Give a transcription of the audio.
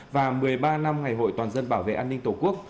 và một mươi ba năm ngày hội toàn dân bảo vệ an ninh tổ quốc